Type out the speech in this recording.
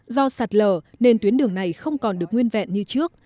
do sạt lở nên tuyến đường này không còn được nguyên vẹn như trước